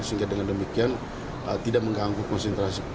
sehingga dengan demikian tidak mengganggu konsentrasi